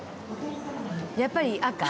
やっぱり赤？